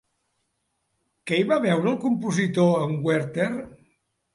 Què hi va veure el compositor en Werther?